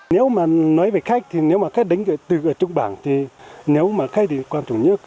nếu mà nói về khách thì nếu mà cách đánh từ trung bảng thì nếu mà khách thì quan chủ nhất là